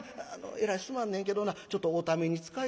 えらいすまんねんけどなちょっとおために使いたいのやわ。